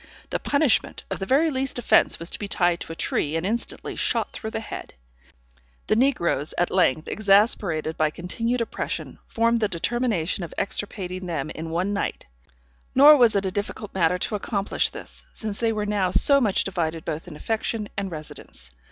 The punishment of the very least offence was to be tied to a tree, and instantly shot through the head. The negroes, at length, exasperated by continued oppression, formed the determination of extirpating them in one night; nor was it a difficult matter to accomplish this, since they were now so much divided both in affection and residence.